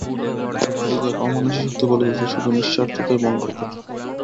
অপরদিকে এক অমানুষী শক্তি বলিতেছে, শুধু নিঃস্বার্থতাই মঙ্গলকর।